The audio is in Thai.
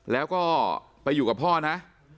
แล้วก็ไปอยู่กับพ่อนะ